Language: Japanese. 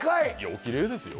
おきれいですよ